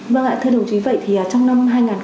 vâng ạ thưa đồng chí vậy thì trong năm hai nghìn hai mươi